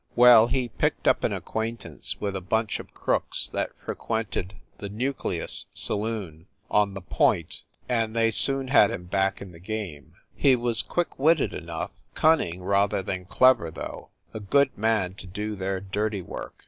Well, he picked up an acquaintance with a bunch THE NORCROSS APARTMENTS 275 of crooks that frequented the "Nucleus" saloon, on the Point, and they soon had him back in the game. He was quick witted enough ; cunning, rather than clever, though ; a good man to do their dirty work.